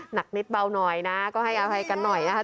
หนักนิดเบาหน่อยนะก็ให้อภัยกันหน่อยนะคะ